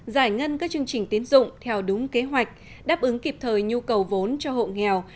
giải ngân các chương trình tiến dụng theo đúng kế hoạch đáp ứng kịp thời nhu cầu vốn cho hộ nghèo